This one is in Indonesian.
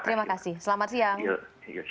terima kasih selamat siang